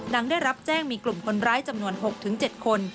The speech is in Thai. ได้รับแจ้งมีกลุ่มคนร้ายจำนวน๖๗คน